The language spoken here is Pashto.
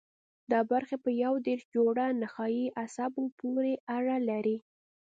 دا برخې په یو دېرش جوړو نخاعي عصبو پورې اړه لري.